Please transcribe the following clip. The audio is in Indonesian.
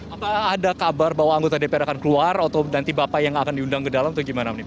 apakah ada kabar bahwa anggota dpr akan keluar atau nanti bapak yang akan diundang ke dalam atau gimana